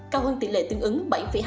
cao hơn tỷ lệ tương ứng bảy hai